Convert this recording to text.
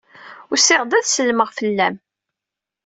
Usiɣ-d ad sellmeɣ fell-am.